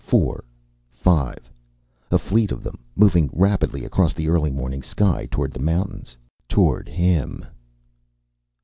Four. Five. A fleet of them, moving rapidly across the early morning sky. Toward the mountains. Toward him.